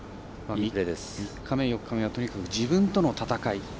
３日目、４日目はとにかく、自分との闘い。